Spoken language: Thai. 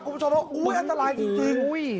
คุณผู้ชมบอกอุ๊ยอันตรายอุ๊ย